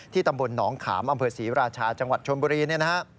ตำบลหนองขามอำเภอศรีราชาจังหวัดชนบุรีเนี่ยนะฮะ